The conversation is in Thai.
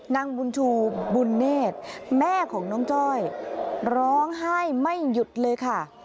นางบุญชูบุญเนธแม่ของน้องจ้อยร้องไห้ไม่หยุดเลยค่ะ